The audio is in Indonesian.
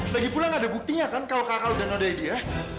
lagipula gak ada buktinya kan kalau kakak udah ngadain dia